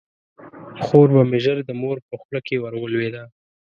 خور به مې ژر د مور په خوله کې ور ولویده.